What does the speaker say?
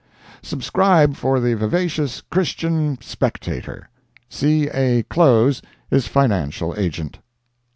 Subscribe for the vivacious Christian Spectator; C. A. Klose is financial agent.